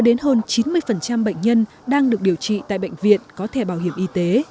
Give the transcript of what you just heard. bệnh nhân đang được điều trị tại bệnh viện có thẻ bảo hiểm y tế